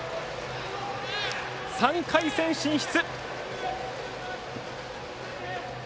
３回戦進出。